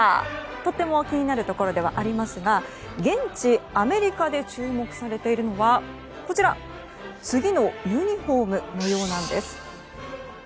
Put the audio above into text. とっても気になるところではありますが現地、アメリカで注目されているのはこちら次のユニホームのようなんです。